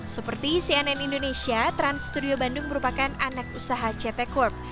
seperti cnn indonesia trans studio bandung merupakan anak usaha ct corp